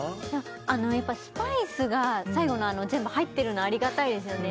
あのやっぱりスパイスが最後の全部入ってるのありがたいですよね